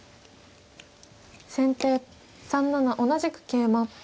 先手３七同じく桂馬。